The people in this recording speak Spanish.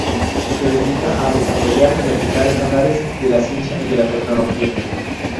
Se dedica a desarrollar y aplicar estándares de la ciencia y de la tecnología.